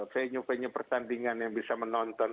venue venue pertandingan yang bisa menonton